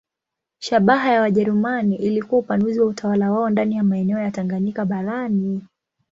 Shabaha ya Wajerumani ilikuwa upanuzi wa utawala wao ndani ya maeneo ya Tanganyika barani.